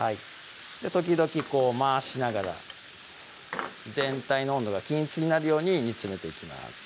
時々こう回しながら全体の温度が均一になるように煮詰めていきます